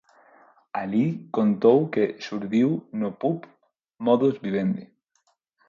Alí contou que xurdiu no pub Modus Vivendi.